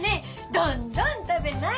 どんどん食べない。